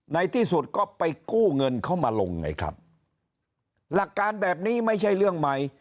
ในที่สุดก็ไปกู้เงินเข้ามาลงไงครับหลักการแบบนี้ไม่ใช่เรื่องใหม่